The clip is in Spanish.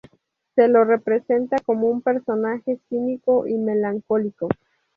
Se lo representa como un personaje cínico y melancólico.